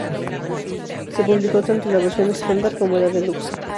Se publicó tanto la versión estándar como la deluxe.